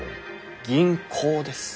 銀行です。